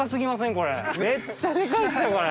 これめっちゃでかいですよこれ。